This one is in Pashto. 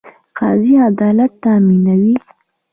قاضي عدالت تامینوي